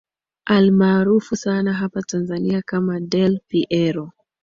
almaarufu sana hapa tanzania kama del piero